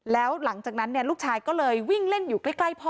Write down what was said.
แล้วหลังจากนั้นลูกชายก็เลยวิ่งเล่นอยู่ใกล้พ่อ